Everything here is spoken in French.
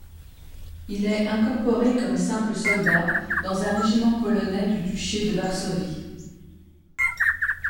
Il est incorporé comme simple soldat dans un régiment polonais du Duché de Varsovie.